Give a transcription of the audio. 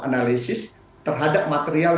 analysis terhadap material